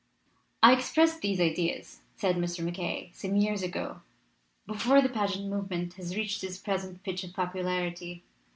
"I expressed these ideas," said Mr. MacKaye, "some years ago, before the pageant movement had reached its present pitch of popularity.